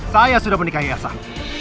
saya sudah menikahi asah